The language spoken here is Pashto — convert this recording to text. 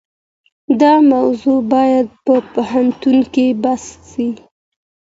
دا موضوع بايد په پوهنتون کي بحث سي.